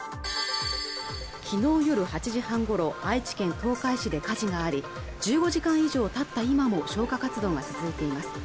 昨日夜８時半ごろ愛知県東海市で火事があり１５時間以上たった今も消火活動が続いています